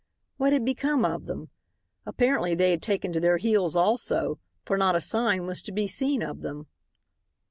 What had become of them? Apparently they had taken to their heels also, for not a sign was to be seen of them.